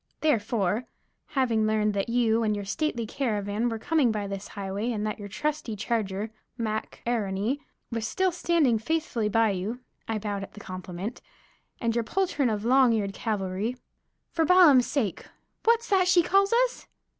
Therefore, having learned that you and your stately caravan were coming by this highway and that your trusty charger, Mac A'Rony, was still standing faithfully by you" (I bowed at the compliment) "and your poultroon of long eared cavalry" "For Balaam's sake! What's that she calls us?"